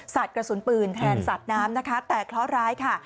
สัตว์กระสุนปืนแทนสัตว์น้ำแต่เค้าร้ายค่ะ